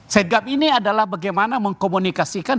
setgam ini adalah bagaimana mengkomunikasikan